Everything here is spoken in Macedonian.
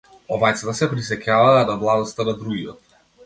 Обајцата се присеќаваа на младоста на другиот.